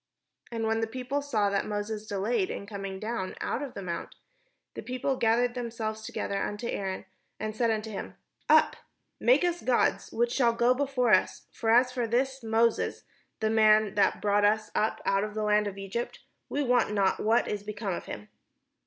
And when the people saw that Moses delayed to come down out of the mount, the people gathered themselves together imto Aaron, and said imto him: " Up, make us gods, which shall go before us; for as for this Moses, the man that brought us up out of the land of EgyjDt, we wot not what is become of him."